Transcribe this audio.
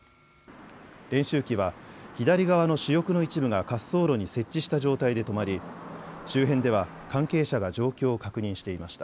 練習機は左側の主翼の一部が滑走路に接地した状態で止まり周辺では関係者が状況を確認していました。